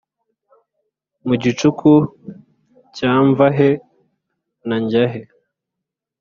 Mu gicuku cya mvahe-na-njyahe